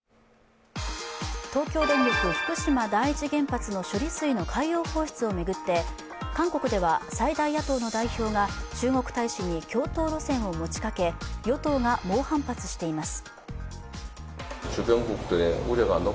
東京電力福島第一原発の処理水の海洋放出を巡って韓国では最大野党の代表が中国大使に共闘路線を持ちかけ、与党が猛反発しています。